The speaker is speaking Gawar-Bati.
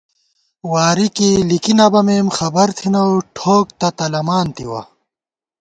واری کی لِکی نہ بَمېم خبر تھنَؤ ٹھوک تہ تلَمانتِوَہ